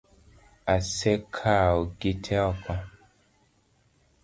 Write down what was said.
Asekawo gite ok.